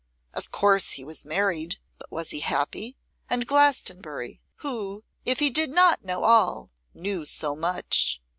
Of course he was married; but was he happy? And Glastonbury, who, if he did not know all, knew so much.